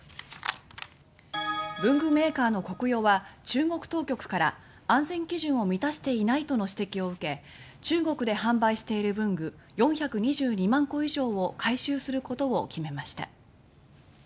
文具メーカーのコクヨは中国当局から「安全基準を満たしていない」との指摘を受け中国で販売している文具４２２万個以上を回収することを決めました。